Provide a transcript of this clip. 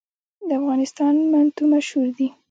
د افغانستان منتو مشهور دي